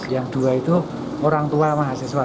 yang dua itu orang tua mahasiswa